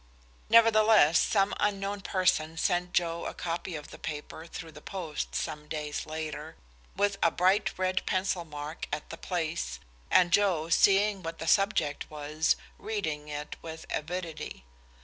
Nevertheless, some unknown person sent Joe a copy of the paper through the post some days later, with a bright red pencil mark at the place, and Joe, seeing what the subject was, read it with avidity.